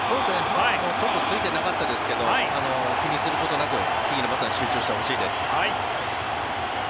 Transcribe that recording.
今のはちょっとついてなかったですけど気にすることなく次のバッターに集中してほしいです。